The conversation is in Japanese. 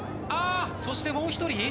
そしてもう一人。